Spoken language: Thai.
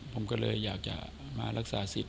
ผมก็เลยอยากจะมารักษาสิทธิ